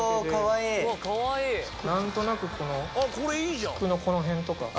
何となく服のこの辺とか。